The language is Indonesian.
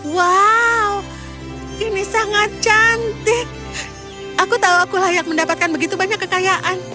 wow ini sangat cantik aku tahu aku layak mendapatkan begitu banyak kekayaan